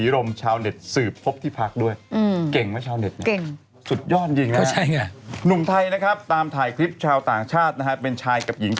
แล้วงบเอามาจากไหน